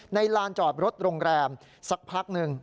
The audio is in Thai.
ลานจอดรถโรงแรมสักพักหนึ่ง